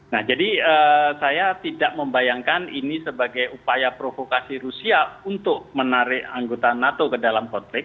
nah jadi saya tidak membayangkan ini sebagai upaya provokasi rusia untuk menarik anggota nato ke dalam konflik